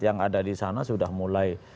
yang ada di sana sudah mulai